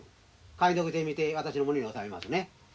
解読してみて私の胸におさめますね。